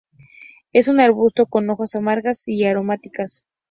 Es un arbusto con hojas amargas y aromáticas.